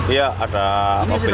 iya ada mobil terpalang